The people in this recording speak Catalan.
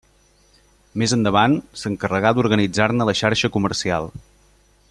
Més endavant, s'encarregà d'organitzar-ne la xarxa comercial.